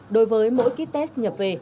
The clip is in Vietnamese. đối với mỗi ký test nhập về